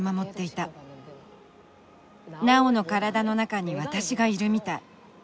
ナオの体の中に私がいるみたい。